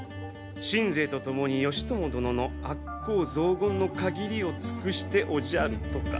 信西と共に義朝殿の悪口雑言の限りを尽くしておじゃるとか。